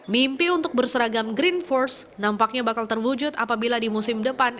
mimpi untuk berseragam green force nampaknya bakal terwujud apabila di musim depan